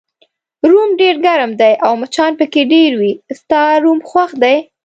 روم ډېر ګرم دی او مچان پکې ډېر وي، ستا روم خوښ دی؟